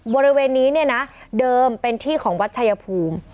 บริเวณนี้เนี่ยนะเดิมเป็นที่ของวัดชายภูมิ